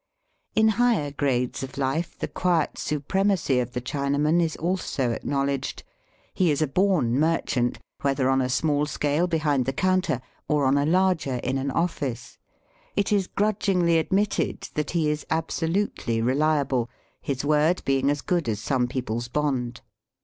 In higher grades of life the quiet supre macy of the Chinaman is also acknowledged. He is a born merchant, whether on a small scale behind the counter, or on a larger in an office. It is grudgingly admitted that he is absolutely reliable, his word being as good as some people's bond.